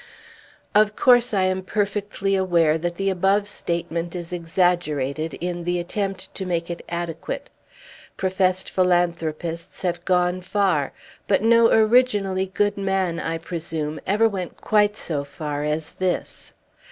Of course I am perfectly aware that the above statement is exaggerated, in the attempt to make it adequate. Professed philanthropists have gone far; but no originally good man, I presume, ever went quite so far as this.